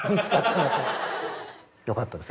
よかったです。